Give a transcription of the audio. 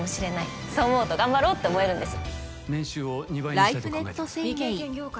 そう思うと頑張ろうって思えるんです。